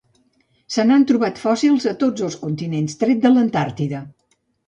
Se n'han trobat fòssils a tots els continents tret de l'Antàrtida.